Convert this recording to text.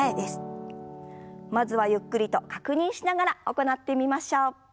まずはゆっくりと確認しながら行ってみましょう。